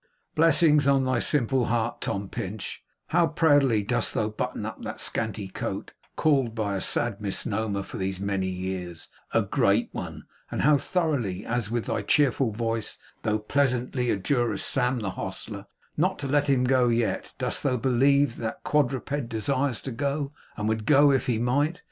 Blessings on thy simple heart, Tom Pinch, how proudly dost thou button up that scanty coat, called by a sad misnomer, for these many years, a 'great' one; and how thoroughly, as with thy cheerful voice thou pleasantly adjurest Sam the hostler 'not to let him go yet,' dost thou believe that quadruped desires to go, and would go if he might!